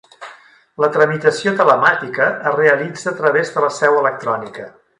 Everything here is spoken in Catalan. La tramitació telemàtica es realitza a través de la seu electrònica.